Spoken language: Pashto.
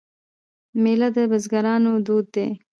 میله د بزګرانو دود دی.